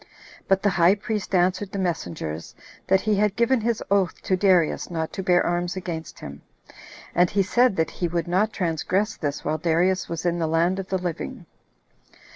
But the high priest answered the messengers, that he had given his oath to Darius not to bear arms against him; and he said that he would not transgress this while Darius was in the land of the living.